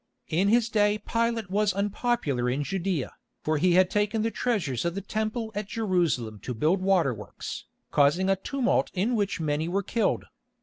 In his day Pilate was unpopular in Judæa, for he had taken the treasures of the Temple at Jerusalem to build waterworks, causing a tumult in which many were killed.